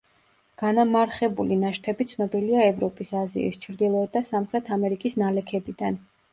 განამარხებული ნაშთები ცნობილია ევროპის, აზიის, ჩრდილოეთ და სამხრეთ ამერიკის ნალექებიდან.